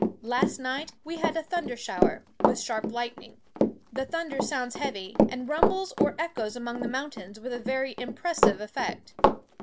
"Last night we had a thunder shower, with sharp lightning. The thunder sounds heavy, and rumbles or echoes among the mountains with a very impressive effect.